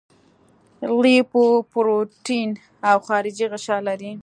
لیپوپروټین او خارجي غشا لري.